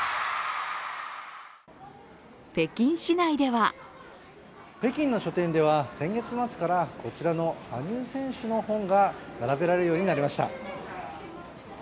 北京市内では北京の書店では先月末からこちらの羽生選手の本が並べられるようになりました。